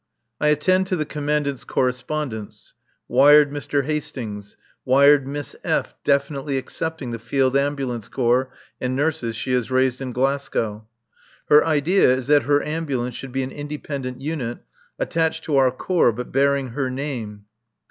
I attend to the Commandant's correspondence. Wired Mr. Hastings. Wired Miss F. definitely accepting the Field Ambulance Corps and nurses she has raised in Glasgow. Her idea is that her Ambulance should be an independent unit attached to our corps but bearing her name.